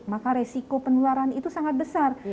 maka resiko penularan itu sangat besar